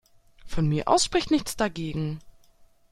Von mir aus spricht nichts dagegen.